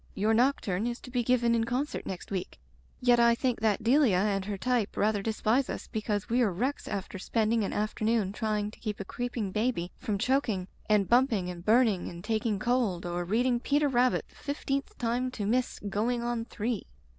Your nocturne is to be given in concert next week — ^yet I think that Delia and her type rather despise us because we are wrecks after spending an afternoon try ing to keep a creeping baby from choking Digitized by LjOOQ IC Broken Glass and bumping and burning and taking cold, or reading Peter Rabbit the fiftieth time to Miss Going on Three."